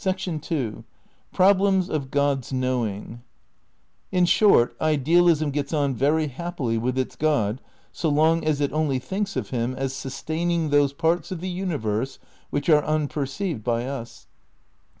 ii In short, idealism gets on very happily with its God so long as it only thinks of him as sustaining those proT> parts of the universe which are unperceived by us.